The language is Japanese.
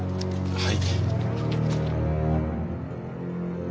はい。